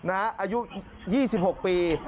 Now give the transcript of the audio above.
อายุ๒๖ปี